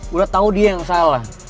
gue tau dia yang salah